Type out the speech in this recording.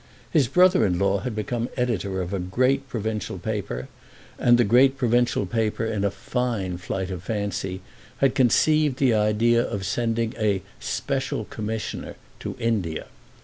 His brother in law had become editor of a great provincial paper, and the great provincial paper, in a fine flight of fancy, had conceived the idea of sending a "special commissioner" to India.